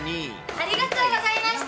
ありがつおございました。